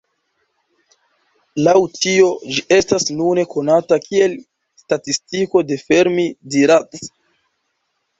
Laŭ tio, ĝi estas nune konata kiel Statistiko de Fermi–Dirac.